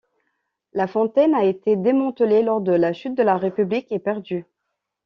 La fontaine a été démantelée lors de la chute de la République et perdue.